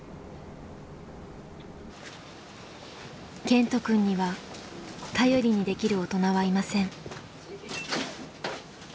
健人くんには頼りにできる大人はいません。